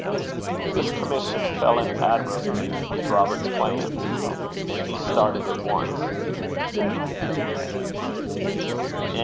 This commission fell in admirably with Robert's plans, and he started at once.